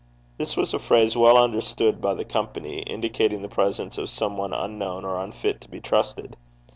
This was a phrase well understood by the company, indicating the presence of some one unknown, or unfit to be trusted.